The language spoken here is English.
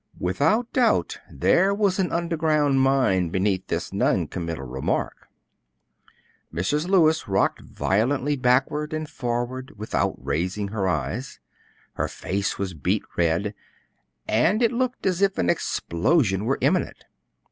Without doubt there was an underground mine beneath this non committal remark. Mrs. Lewis rocked violently backward and forward without raising her eyes. Her face was beet red, and it looked as if an explosion were imminent.